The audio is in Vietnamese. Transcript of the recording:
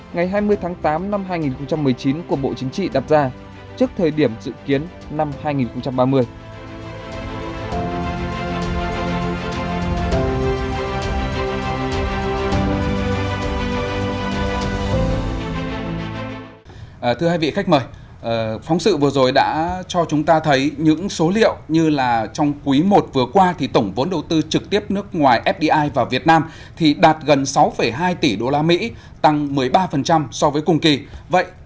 ngày hai mươi tháng tám năm hai nghìn một mươi chín của bộ chính trị đặt ra